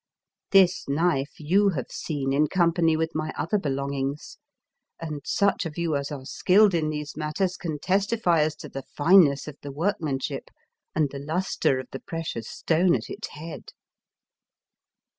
This knife you have seen in company with my other belongings, and such of you as are skilled in these matters can testify as to the fineness of the workmanship and the lustre of the precious stone at its head.